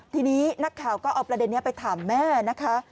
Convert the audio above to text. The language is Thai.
ทีนี้นักข่าวก็เอาประเด็นนี้ไปถามแม่นะคะ